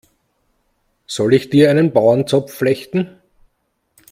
Soll ich dir einen Bauernzopf flechten?